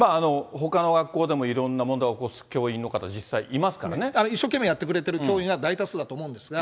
ほかの学校でもいろんな問題を起こす教員の方、実際いますか一生懸命やってくれてる教員が大多数だと思うんですが。